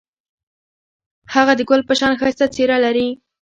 هغه د ګل په شان ښایسته څېره لري.